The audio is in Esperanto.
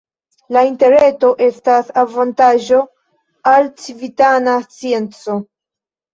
La Interreto estas avantaĝo al civitana scienco.